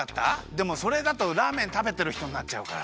でもそれだとラーメンたべてるひとになっちゃうから。